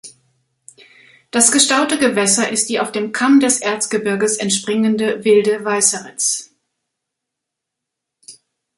Das gestaute Gewässer ist die auf dem Kamm des Erzgebirges entspringende Wilde Weißeritz.